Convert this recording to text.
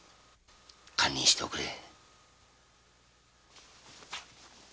堪忍しておくれ。